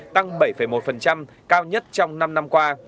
tăng bảy một cao nhất trong năm năm qua